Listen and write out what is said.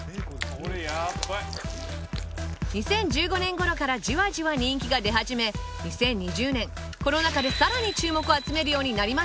２０１５年頃からじわじわ人気が出始め２０２０年コロナ禍で更に注目を集めるようになりました